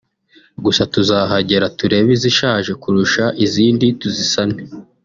Gusa tuzahagera turebe izishaje kurusha izindi tuzisane